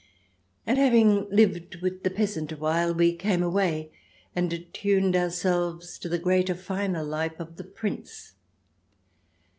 And having lived with the Peasant awhile, we came away, and attuned ourselves to the greater, finer life of the Prince.